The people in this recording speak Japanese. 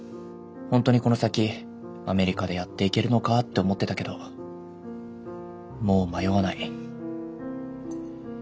本当にこの先アメリカでやっていけるのかって思ってたけどもう迷わない。